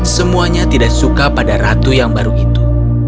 semuanya tidak suka pada ratu yang baru itu